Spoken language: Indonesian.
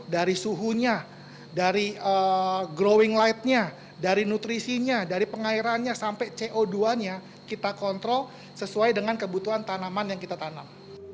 dari suhunya dari growing light nya dari nutrisinya dari pengairannya sampai co dua nya kita kontrol sesuai dengan kebutuhan tanaman yang kita tanam